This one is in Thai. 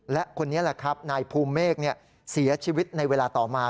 และคนนี้นายภูเมฆเสียชีวิตในเวลาต่อมา